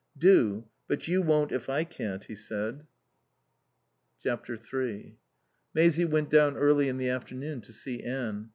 "Do. But you won't if I can't," he said. iii Maisie went down early in the afternoon to see Anne.